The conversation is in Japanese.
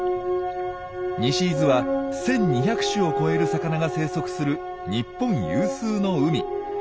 西伊豆は１，２００種を超える魚が生息する日本有数の海。